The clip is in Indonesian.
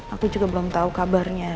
aku juga belum tahu kabarnya